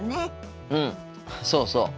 うんそうそう。